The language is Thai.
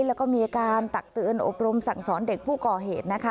แล้วก็มีการตักเตือนอบรมสั่งสอนเด็กผู้ก่อเหตุนะคะ